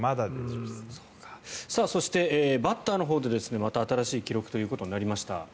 そして、バッターのほうでまた新しい記録ということになりました。